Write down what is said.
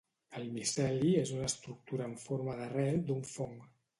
El miceli és una estructura en forma d'arrel d'un fong